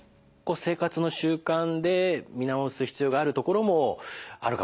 生活の習慣で見直す必要があるところもあるかもしれないですね。